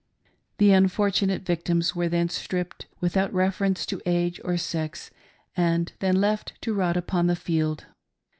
The unfortunate victims were then stripped, without reference to age or sex, and then left to rot upon the field.